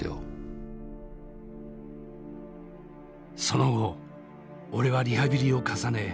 その後俺はリハビリを重ね